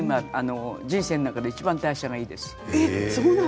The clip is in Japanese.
人生でいちばん代謝がいいです。